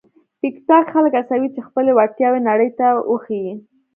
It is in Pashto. ټیکټاک خلک هڅوي چې خپلې وړتیاوې نړۍ ته وښيي.